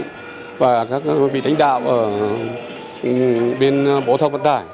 các bác các cơ trị và các vị đánh đạo ở bên bộ giao thông vận tải